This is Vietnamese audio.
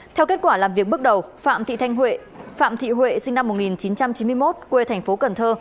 theo kết quả làm việc bước đầu phạm thị thanh huệ phạm thị huệ sinh năm một nghìn chín trăm chín mươi một quê thành phố cần thơ